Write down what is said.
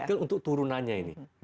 dari nikel untuk turunannya ini